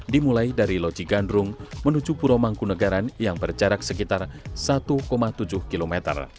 dimulai dari loji gandrung menuju puromangkunagaran yang berjarak sekitar satu tujuh km